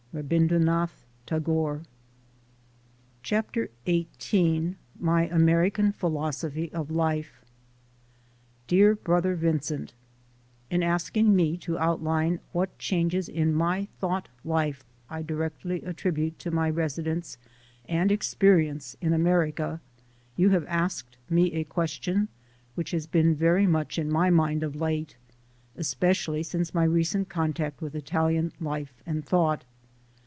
Eabindranath Tagore. CHAPTER XVIII MY AMERICAN PHILOSOPHY OF LIFE DEAR BROTHER VINCENT: In asking me to outline what changes in my thought life I directly attribute to my residence and experience in America, you have asked me a question which has been very much in my mind of late, especially since my recent contact with Italian life and thought.